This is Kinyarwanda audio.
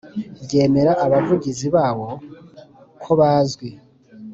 ryemera Abavugizi bawo kobazwi